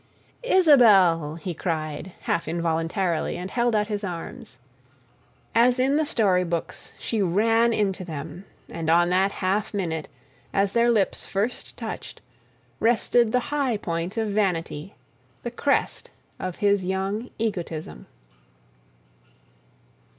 "Isabelle!" he cried, half involuntarily, and held out his arms. As in the story books, she ran into them, and on that half minute, as their lips first touched, rested the high point of vanity, the crest of his young egotism.